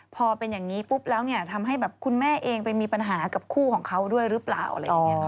พอเป็นอย่างนี้ปุ๊บแล้วเนี่ยทำให้แบบคุณแม่เองไปมีปัญหากับคู่ของเขาด้วยหรือเปล่าอะไรอย่างนี้